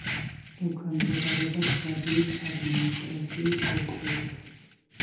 ექვემდებარება შვაბიის ადმინისტრაციულ ოკრუგს.